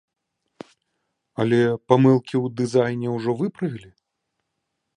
Але памылкі ў дызайне ўжо выправілі.